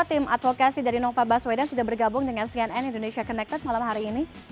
tim advokasi dari nova baswedan sudah bergabung dengan cnn indonesia connected malam hari ini